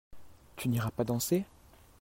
Tu n'iras pas danser ?